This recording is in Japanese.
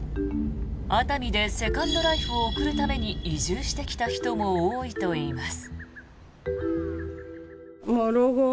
熱海でセカンドライフを送るために移住してきた人も多いといいます。